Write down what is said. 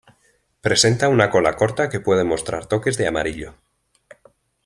Presenta una cola corta que puede mostrar toques de amarillo.